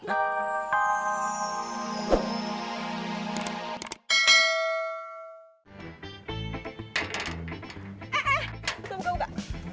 eh eh buka buka